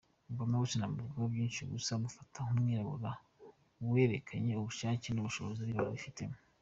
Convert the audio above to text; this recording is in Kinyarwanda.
Obama we sinamuvugaho byinshi gusa mufata nk’umwirabura werekanye ubushake n’ubushobozi abirabura twifitemo.